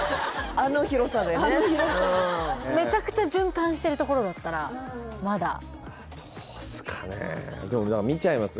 あの広さでねあの広さでめちゃくちゃ循環してるところだったらまだああどうっすかねでも見ちゃいます